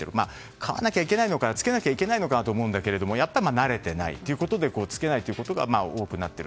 買わなきゃいけないのかな着けなきゃいけないのかと思うんだけれども慣れていなくて着けないということが多くなっていて。